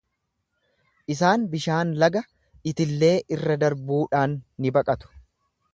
Isaan bishaan laga itillee irra darbuudhaan ni baqatu.